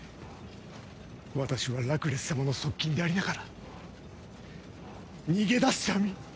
私はラクレス様の側近でありながら逃げ出した身。